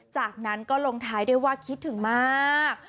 จากนั้นก็ลงท้ายด้วยว่าคิดถึงมาก